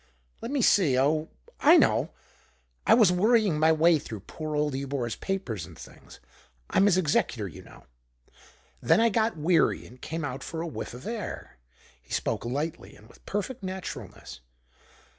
Let me see. Oh, I know; I was worrying my way through poor old Ebor's papers and things. I'm his executor, you know. Then I got weary and came out for a whiff of air." He spoke lightly and with perfect naturalness.